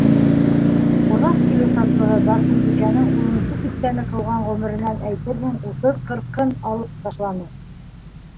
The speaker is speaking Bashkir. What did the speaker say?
Ҡунаҡ килеү шатлығы Барсынбикәнең унынсы тиҫтәне ҡыуған ғүмеренән әйтерһең утыҙ-ҡырҡын алып ташланы.